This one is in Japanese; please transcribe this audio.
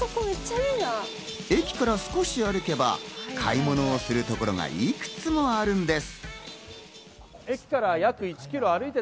駅から少し歩けば買い物をするところがいくつもあるんです。